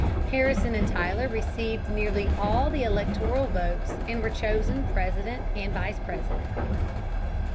Harrison and Tyler received nearly all the electoral votes and were chosen President and Vice President.